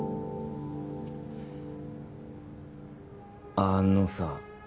あのさ